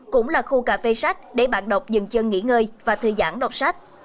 cũng là khu cà phê sách để bạn đọc dừng chân nghỉ ngơi và thư giãn đọc sách